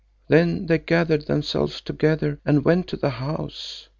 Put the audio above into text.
Then they gathered themselves together and went to the house.